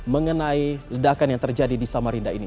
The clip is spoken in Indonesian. mengenai ledakan yang terjadi di samarinda ini